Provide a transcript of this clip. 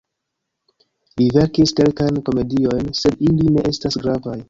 Li verkis kelkajn komediojn, sed ili ne estas gravaj.